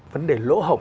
vấn đề lỗ hổng